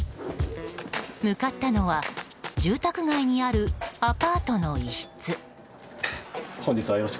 向かったのは住宅街にあるアパートの一室。